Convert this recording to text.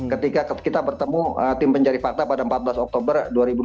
ketika kita bertemu tim pencari fakta pada empat belas oktober dua ribu dua puluh